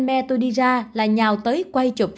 mẹ tôi đi ra là nhào tới quay chụp